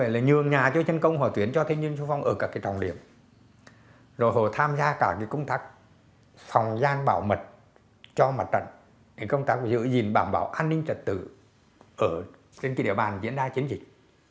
là công tác giữ gìn bảo bảo an ninh trật tự ở trên cái địa bàn diễn ra chiến dịch